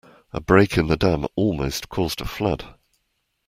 A break in the dam almost caused a flood.